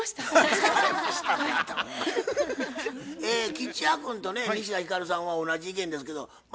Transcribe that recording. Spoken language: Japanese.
吉弥君とね西田ひかるさんは同じ意見ですけどま